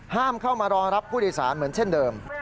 เข้ามารอรับผู้โดยสารเหมือนเช่นเดิม